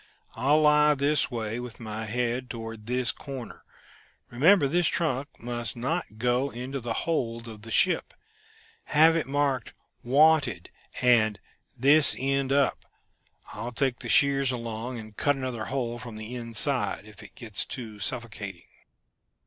I'll lie this way, with my head toward this corner. Remember, this trunk must not go into the hold of the ship have it marked 'Wanted' and 'This End Up.' I'll take the shears along and cut another hole from the inside if it gets too suffocating."